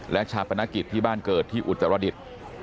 และฉาบพนักกิจที่บ้านเกิดที่อุตรศาสตร์ละดิษฐ์